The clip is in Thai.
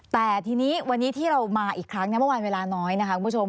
แต่ทีนี้วันนี้ที่เรามาอีกครั้งเมื่อวานเวลาน้อยนะคะคุณผู้ชม